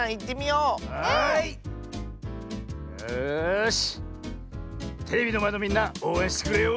よしテレビのまえのみんなおうえんしてくれよ。